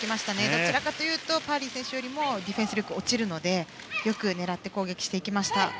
どちらかというとパーリー選手よりもディフェンス力は落ちるのでよく狙って攻撃しました。